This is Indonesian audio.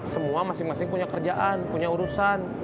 semua masing masing punya kerjaan punya urusan